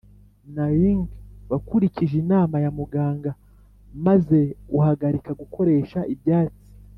Naing wakurikije inama ya muganga maze ugahagarika gukoresha ibyatsi